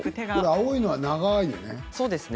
青いのは長いよね。